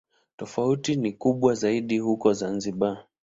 Tofauti ni kubwa zaidi huko Zanzibar.